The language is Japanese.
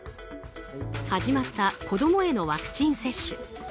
始まった子供へのワクチン接種。